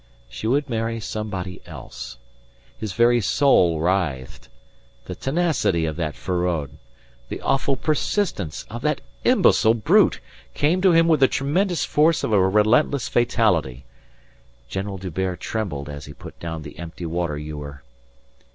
She would marry somebody else. His very soul writhed. The tenacity of that Feraud, the awful persistence of that imbecile brute came to him with the tremendous force of a relentless fatality. General D'Hubert trembled as he put down the empty water ewer.